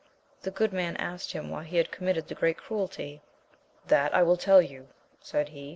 The good man asked him, why he had committed that great cruelty. That I will tell you, said he.